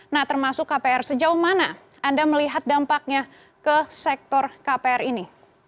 nah termasuk kpr sejauh mana anda melihat dampaknya ke sektor kpr ini